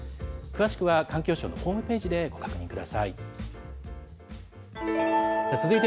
詳しくは環境省のホームページでご確認ください。